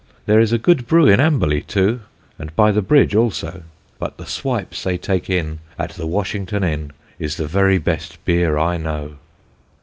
There is a good brew in Amberley too, And by the Bridge also; But the swipes they take in at the Washington Inn Is the very best beer I know.